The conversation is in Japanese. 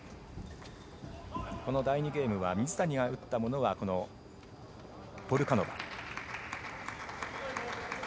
第２ゲームは水谷が打ったものがポルカノバ。